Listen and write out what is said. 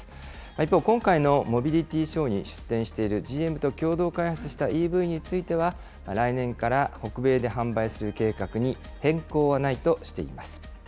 一方、今回のモビリティショーに出展しているＧＭと共同開発したＥＶについては、来年から北米で販売する計画に変更はないとしています。